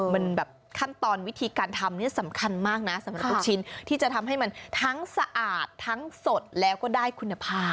มันแบบขั้นตอนวิธีการทำเนี่ยสำคัญมากนะสำหรับลูกชิ้นที่จะทำให้มันทั้งสะอาดทั้งสดแล้วก็ได้คุณภาพ